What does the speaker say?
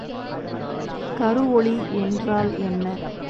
கருவொளி என்றால் என்ன?